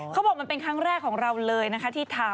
เขาบอกมันเป็นครั้งแรกของเราเลยนะคะที่ทำ